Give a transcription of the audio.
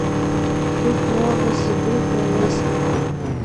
— Тут много седых и лысых.